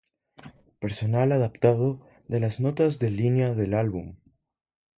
Personal adaptado de las notas del linea del álbum.